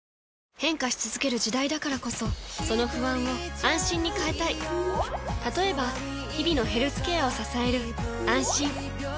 変化し続ける時代だからこそその不安を「あんしん」に変えたい例えば日々のヘルスケアを支える「あんしん」